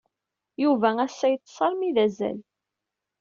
Yuba assa yeṭṭes armi d azal.